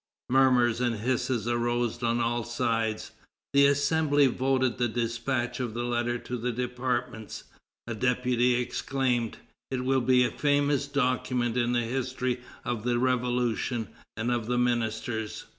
Murmurs and hisses arose on all sides. The Assembly voted the despatch of the letter to the departments. A deputy exclaimed: "It will be a famous document in the history of the Revolution and of the ministers."